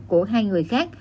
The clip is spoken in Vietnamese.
của hai người khác